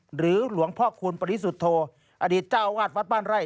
หรือหลวงพ่อคูณปริสุทธโธอดีตเจ้าวาดวัดบ้านไร่